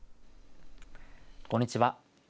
こんにちは。